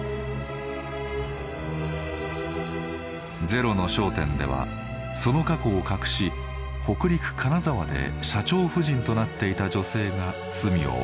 「ゼロの焦点」ではその過去を隠し北陸・金沢で社長夫人となっていた女性が罪を犯します。